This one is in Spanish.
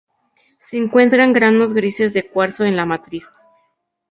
Se encuentran granos grises de cuarzo en la matriz.